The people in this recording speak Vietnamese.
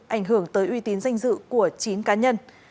ảnh hưởng tới uy tín danh dự của chín cá nhân